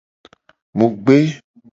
Mu gbe.